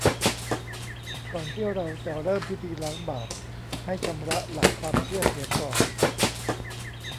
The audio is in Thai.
ก่อนที่เราจะเริ่มพิธีล้างบาป ให้ชำระหลักความเชื่อเสียก่อน